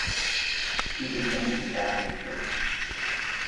He is a Saint of the Catholic Church.